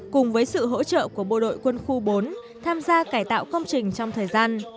cùng với sự hỗ trợ của bộ đội quân khu bốn tham gia cải tạo công trình trong thời gian